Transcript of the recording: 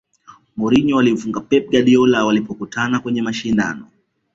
mourinho alimfunga pep guardiola walipokutana kwenye mashindano